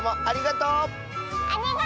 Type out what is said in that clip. ありがとう！